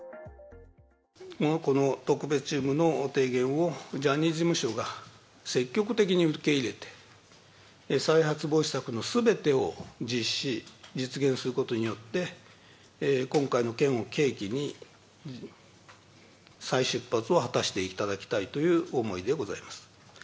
この特別チームの提言をジャニーズ事務所が積極的に受け入れて、再発防止策のすべてを実施・実現することによって、今回の件を契機に、再出発を果たしていただきたいという思いでございます。